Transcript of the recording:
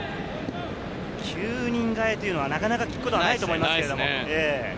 ９人代えというのは、なかなか聞くことはないと思います。